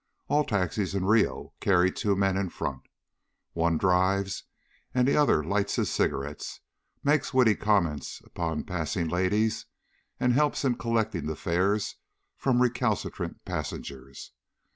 All taxis in Rio carry two men in front. One drives, and the other lights his cigarettes, makes witty comments upon passing ladies, and helps in collecting the fares from recalcitrant passengers.